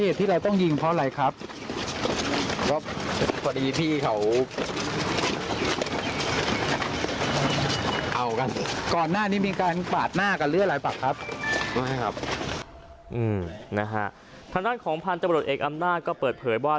ทางด้านของพันธุ์ตำรวจเอกอำนาจก็เปิดเผยว่า